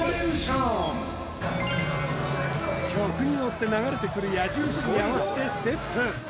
曲にのって流れてくる矢印に合わせてステップ